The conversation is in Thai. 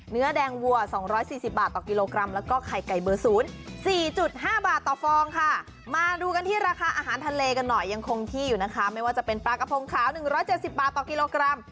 เนื้อแดงวัว๒๔๐บาทต่อกิโลกรัม